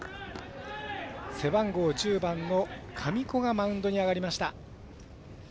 背番号１０番の神子がマウンドに上がりました。